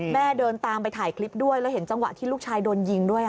เดินตามไปถ่ายคลิปด้วยแล้วเห็นจังหวะที่ลูกชายโดนยิงด้วย